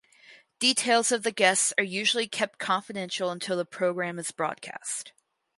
Details of the guests are usually kept confidential until the programme is broadcast.